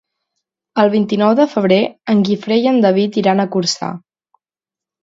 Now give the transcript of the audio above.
El vint-i-nou de febrer en Guifré i en David iran a Corçà.